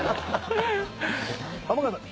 尼川さん